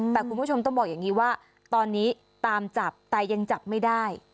แต่คุณผู้ชมต้องบอกอย่างนี้ว่าตอนนี้ตามจับแต่ยังจับไม่ได้